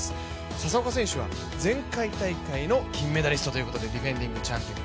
笹岡選手は前回大会の金メダリストということでディフェンディングチャンピオン。